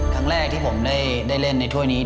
ครั้งแรกที่ผมได้เล่นในถ้วยนี้